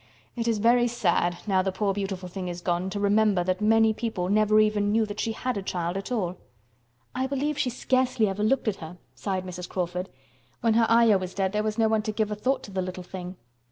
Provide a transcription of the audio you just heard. It is very sad, now the poor beautiful thing is gone, to remember that many people never even knew that she had a child at all." "I believe she scarcely ever looked at her," sighed Mrs. Crawford. "When her Ayah was dead there was no one to give a thought to the little thing.